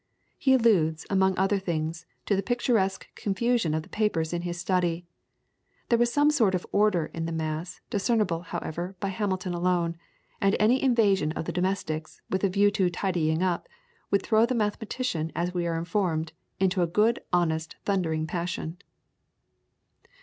He alludes, among other things, to the picturesque confusion of the papers in his study. There was some sort of order in the mass, discernible however, by Hamilton alone, and any invasion of the domestics, with a view to tidying up, would throw the mathematician as we are informed, into "a good honest thundering passion."